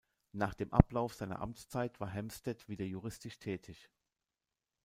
Nach dem Ablauf seiner Amtszeit war Hempstead wieder juristisch tätig.